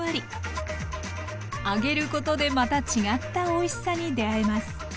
揚げることでまた違ったおいしさに出会えます。